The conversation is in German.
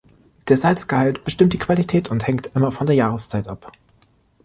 Der Salzgehalt bestimmt die Qualität und hängt immer von der Jahreszeit ab.